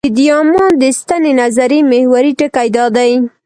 د ډیامونډ د سنتي نظریې محوري ټکی دا دی.